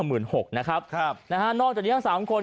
อืม๙๖นะครับนะฮะนอกจากนี้ทั้ง๓คน